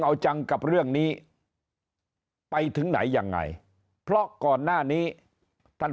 เอาจังกับเรื่องนี้ไปถึงไหนยังไงเพราะก่อนหน้านี้ท่าน